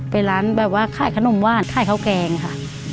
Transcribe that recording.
เป็นร้านแบบว่าขายขนมหวานขายข้าวแกงค่ะ